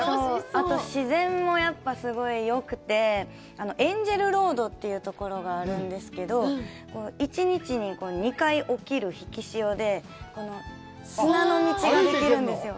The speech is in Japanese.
あと、自然もやっぱりすごいよくて、エンジェルロードというところがあるんですけど、１日で２回、起きる引き潮で、砂の道ができるんですよ。